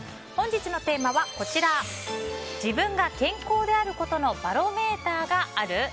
本日のテーマは自分が健康であることのバロメーターがある？